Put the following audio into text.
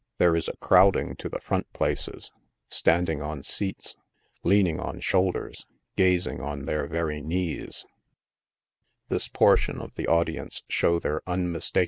There is a crowding to the front places, standing on seats, leaning on shoulders, gazing on their very knees, this portion of the audience show their unmistaka THE CHEAP THEATRE.